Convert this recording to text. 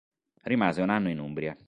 Rimase un anno in Umbria.